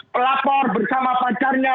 pelapor bersama pacarnya